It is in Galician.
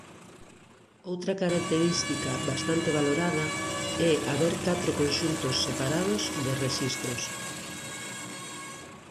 Outra característica bastante valorada é haber catro conxuntos separados de rexistros.